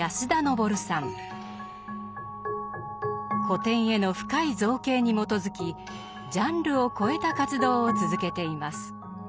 古典への深い造詣に基づきジャンルを超えた活動を続けています。